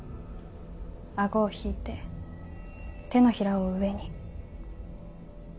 顎を引いて手のひらを上に。